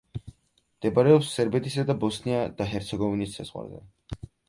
მდებარეობს სერბეთისა და ბოსნია და ჰერცეგოვინის საზღვარზე.